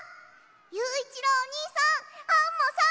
ゆういちろうおにいさんアンモさん！